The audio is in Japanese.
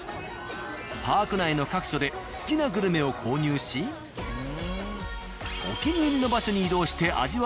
パーク内の各所で好きなグルメを購入しお気に入りの場所に移動して味わうのが格別なんだそう。